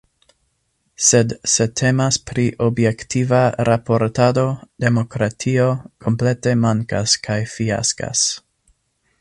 Sed se temas pri objektiva raportado, demokratio komplete mankas kaj fiaskas.